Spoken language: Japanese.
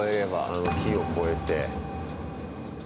あの木を越えて。